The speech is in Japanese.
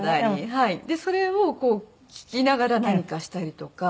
でそれを聴きながら何かしたりとか。